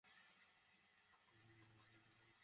আপনি আমাদের সিপাহসালার।